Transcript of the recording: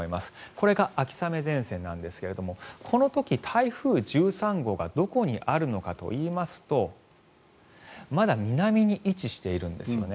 これが秋雨前線なんですがこの時、台風１３号がどこにあるのかといいますとまだ南に位置しているんですよね。